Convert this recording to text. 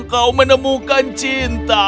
kau menemukan cinta